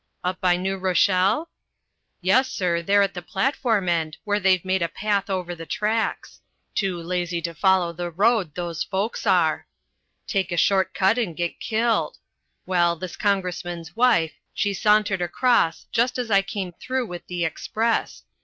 "Up by New Rochelle?" "Yes, sir, there at the platform end, where they've made a path over the tracks. Too lazy to follow the road, those folks are. Take a short cut and get killed. Well, this congressman's wife, she sauntered across just as I came through with the express.